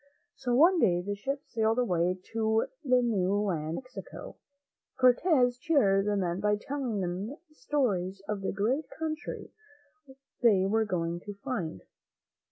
So one day the ships sailed away to the new land of Mexico. Cortez cheered the men by telling them stories of the great country they were going to find.